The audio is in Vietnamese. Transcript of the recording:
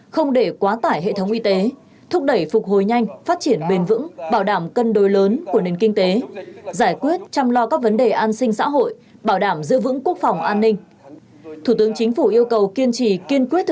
không để quá tải hệ thống y tế thúc đẩy phục hồi nhanh phát triển bền vững bảo đảm cân đối lớn của nền kinh tế giải quyết chăm lo các vấn đề an sinh xã hội bảo đảm giữ vững quốc phòng an ninh